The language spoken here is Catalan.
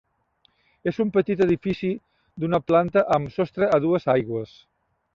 És un petit edifici d'una planta amb sostre a dues aigües.